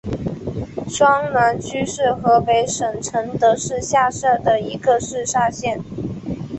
双滦区是河北省承德市下辖的一个市辖区。